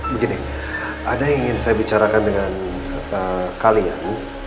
begini ada yang ingin saya bicarakan dengan kalian